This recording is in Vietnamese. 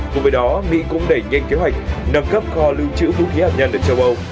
cùng với đó mỹ cũng đẩy nhanh kế hoạch nâng cấp kho lưu trữ vũ khí hạt nhân ở châu âu